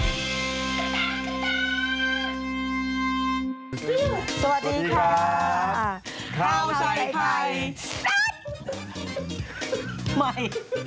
อะไรทำไมต้องสดขนาดนั้นทำไม